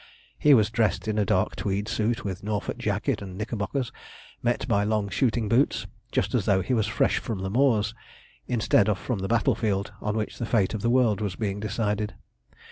He was dressed in a dark tweed suit, with Norfolk jacket and knickerbockers, met by long shooting boots, just as though he was fresh from the moors, instead of from the battlefield on which the fate of the world was being decided.